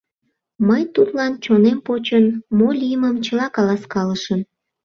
Мый тудлан, чонем почын, мо лиймым чыла каласкалышым.